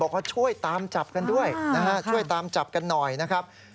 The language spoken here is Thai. เขาช่วยตามจับกันด้วยนะฮะช่วยตามจับกันหน่อยนะครับ